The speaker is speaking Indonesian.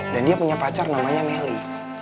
dan dia punya pacar namanya meli